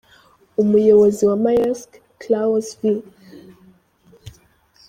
Umuyobozi wa Maersk , Claus V.